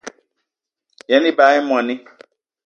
Yen ebag í moní